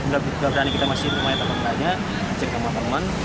kita berani kita masih mayat tetap